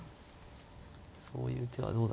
そういう手はどうだろう。